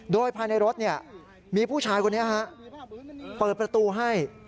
โดยภายในรถมีผู้ชายคนนี้เปิดประตูให้